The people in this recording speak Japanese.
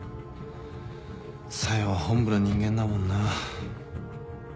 小夜は本部の人間だもんな。